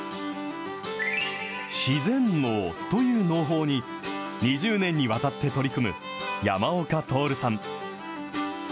自然農という農法に、２０年にわたって取り組む山岡亨さん。